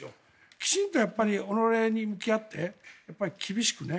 きちんと己に向き合って厳しくね。